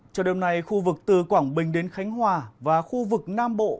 cho đêm nay khu vực từ quảng bình đến khánh hòa và khu vực nam bộ